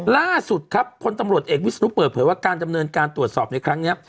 ล่าสุดครับพลตำรวจเอกวิศนุเปิดเผยว่าการดำเนินการตรวจสอบในครั้งนี้